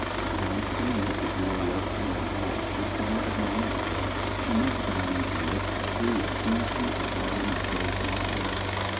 Al ice found that the door led to a hall the size of a rat hole; she knelt down and looked through it in to a gar den of gay flow ers.